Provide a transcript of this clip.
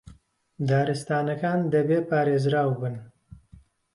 دارستانەکان دەبێ پارێزراو بن